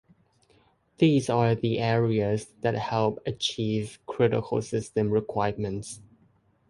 These are the areas that help achieve critical system requirements.